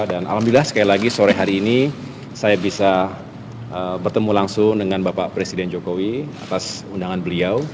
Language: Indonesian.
dan alhamdulillah sekali lagi sore hari ini saya bisa bertemu langsung dengan bapak presiden jokowi atas undangan beliau